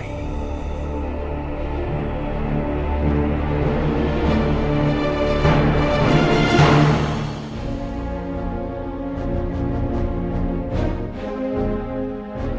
itu yang cemerlangnya